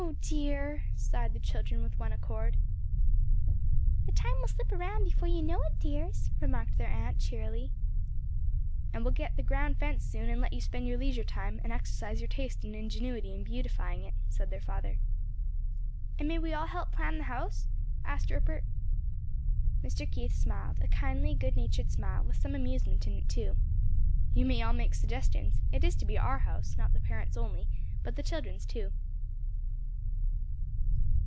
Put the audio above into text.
"Oh dear!" sighed the children with one accord. "The time will slip around before you know it, dears," remarked their aunt cheerily. "And we'll soon get the ground fenced in and let you spend your leisure time, and exercise your taste and ingenuity in beautifying it," said their father. "And may we all help plan the house?" asked Rupert. Mr. Keith smiled, a kindly good natured smile, with some amusement in it too. "You may all make suggestions; it is to be our house: not the parents' only, but the children's, too."